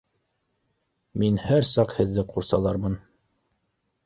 Мин һәр саҡ һеҙҙе ҡурсалармын.